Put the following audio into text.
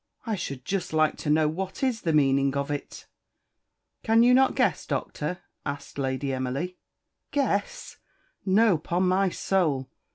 I should just like to know what is the meaning of it?" "Cannot you guess, Doctor" asked Lady Emily. "Guess! No, 'pon my soul!